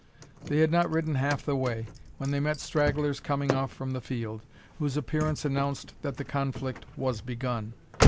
They had not ridden half the way, when they met stragglers coming off from the field, whose appearance announced that the conflict was begun.